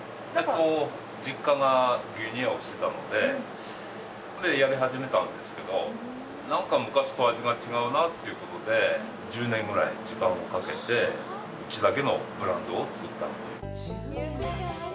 実家が牛乳屋をしていたのでやり始めたんですけどなんか昔と味が違うなということで１０年ぐらい時間をかけてうちだけのブランドを作ったという。